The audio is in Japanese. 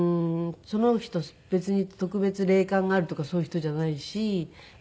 その人別に特別霊感があるとかそういう人じゃないしま